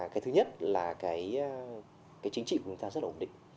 cái thứ nhất là cái chính trị của chúng ta rất là ổn định